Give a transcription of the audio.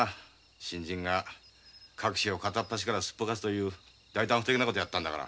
新人が各誌を片っ端からすっぽかすという大胆不敵なことをやったんだから。